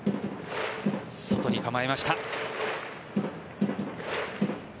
外に構えました。